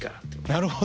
なるほど。